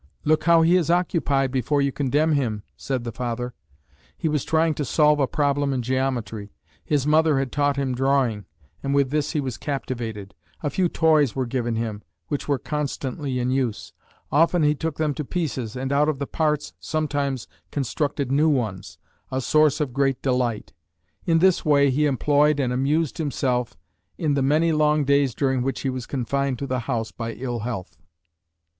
"Look how he is occupied before you condemn him," said the father. He was trying to solve a problem in geometry. His mother had taught him drawing, and with this he was captivated. A few toys were given him, which were constantly in use. Often he took them to pieces, and out of the parts sometimes constructed new ones, a source of great delight. In this way he employed and amused himself in the many long days during which he was confined to the house by ill health.